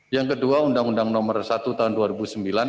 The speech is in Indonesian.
yang kedua undang undang nomor satu tahun dua ribu sembilan